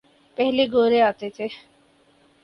پہلے گورے آتے تھے۔